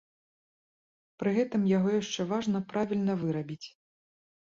Пры гэтым яго яшчэ важна правільна вырабіць.